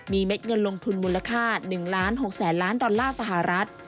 มีเม็ดเงินลงทุนมูลค่า๑ล้าน๖แสนล้านดอลลาร์สหรัฐ